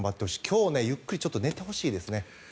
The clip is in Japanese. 今日ゆっくり寝てほしいですね。